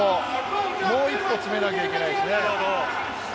もう一歩詰めなきゃいけないです。